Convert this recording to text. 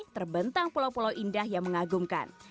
terbentang pulau pulau indah yang mengagumkan